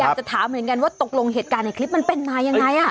อยากจะถามเหมือนกันว่าตกลงเหตุการณ์ในคลิปมันเป็นมายังไง